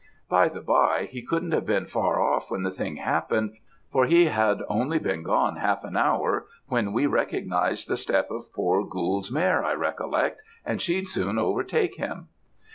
"'By the bye, he couldn't have been far off when the thing happened; for he had only been gone half an hour when we recognized the step of poor Gould's mare I recollect, and she'd soon overtake him.'